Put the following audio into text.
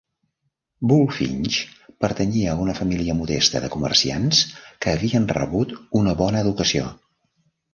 Bulfinch pertanyia a una família modesta de comerciants que havien rebut una bona educació.